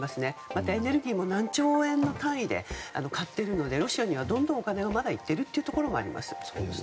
また、エネルギーも何兆円の単位で買っているのでロシアにはどんどんお金が、まだいっているというのがあります。